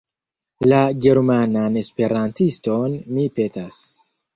La »Germanan Esperantiston« mi petas.